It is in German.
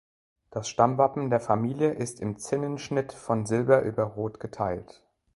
Das Stammwappen der Familie ist im Zinnenschnitt von Silber über Rot geteilt.